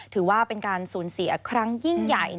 ถือว่าเป็นการสูญเสียครั้งยิ่งใหญ่